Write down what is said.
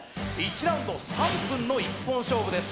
１ラウンド３分の一本勝負です。